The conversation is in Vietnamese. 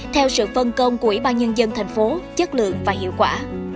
theo sự phân công của ủy ban nhân dân thành phố chất lượng và hiệu quả